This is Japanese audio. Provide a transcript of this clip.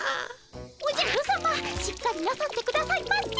おじゃるさましっかりなさってくださいませ。